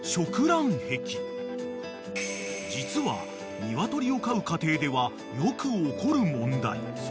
［実は鶏を飼う家庭ではよく起こる問題］